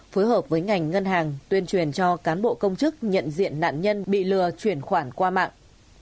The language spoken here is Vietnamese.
phối hợp với ngành ngân hàng tuyên truyền cho cán bộ công chức nhận diện nạn nhân bị lừa chuyển khoản qua mạng